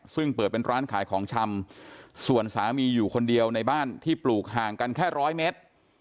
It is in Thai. ซึ่งเปิดเป็นร้านขายของชำส่วนสามีอยู่คนเดียวในบ้านที่ปลูกห่างกันแค่ร้อยเมตร